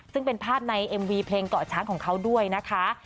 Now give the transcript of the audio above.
ซึ่งเป็นภาพในเอ็มวีเพลงเกาะช้างของเขาด้วยนะคะ